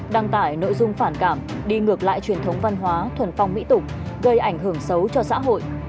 để tìm kiếm những nội dung phản cảm đi ngược lại truyền thống văn hóa thuần phong mỹ tục gây ảnh hưởng xấu cho xã hội